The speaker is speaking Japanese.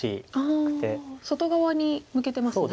外側に向けてますね。